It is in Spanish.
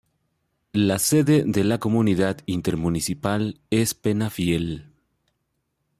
La sede de la comunidad intermunicipal es Penafiel.